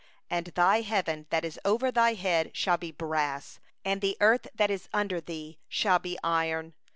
23And thy heaven that is over thy head shall be brass, and the earth that is under thee shall be iron.